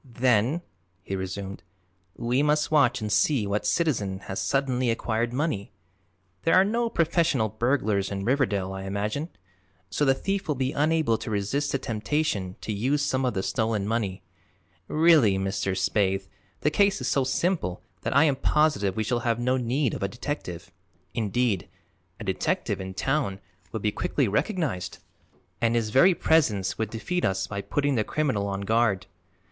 "Then," he resumed, "we must watch and see what citizen has suddenly acquired money. There are no professional burglars in Riverdale, I imagine, so the thief will be unable to resist the temptation to use some of the stolen money. Really, Mr. Spaythe, the case is so simple that I am positive we shall have no need of a detective. Indeed, a detective in town would be quickly recognized and his very presence would defeat us by putting the criminal on guard.